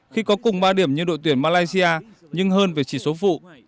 khi có cùng ba điểm như đội tuyển malaysia nhưng hơn về chỉ số phụ